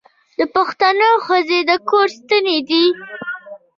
د پښتنو ښځې د کور ستنې دي.